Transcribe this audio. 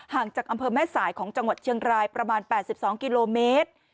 จากอำเภอแม่สายของจังหวัดเชียงรายประมาณ๘๒กิโลเมตร